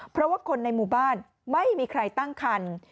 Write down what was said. เพราะว่าคนในหมู่บ้านไม่มีใครตั้งคัน